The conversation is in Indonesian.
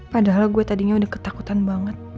padahal gue tadinya udah ketakutan banget